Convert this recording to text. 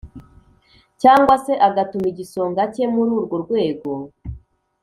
cyangwa se agatuma igisonga cye muri urwo rwego